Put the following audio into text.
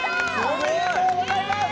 おめでとうございます。